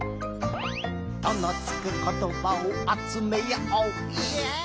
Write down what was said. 「『と』のつくことばをあつめよう」イエイ！